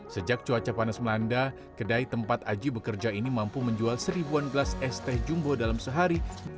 sejak cuaca panas melanda kedai tempat aji bekerja ini mampu menjual seribuan gelas es teh jumbo dalam sehari